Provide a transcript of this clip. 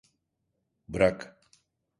Bırak.